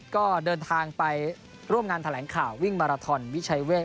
ก็เดินทางไปร่วมงานแถลงข่าววิ่งมาราทอนวิชัยเวท